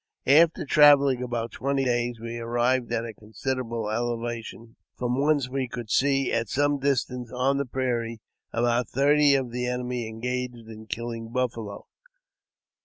After travelling about twenty days, we arrived at a consider able elevation, from whence we could see, at some distance of the prairie, about thirty of the enemy engaged in killing buffalo.